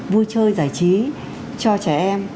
vui chơi giải trí cho trẻ em